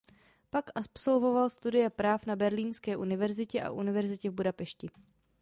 Pak absolvoval studia práv na berlínské univerzitě a univerzitě v Budapešti.